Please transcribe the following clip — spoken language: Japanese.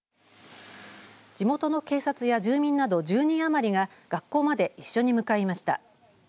地元の警察や住民など１０人余りが学校まで一緒に向かいました。